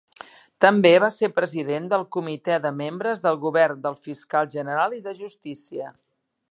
També va ser president del Comitè de membres del Govern del Fiscal general i de Justícia.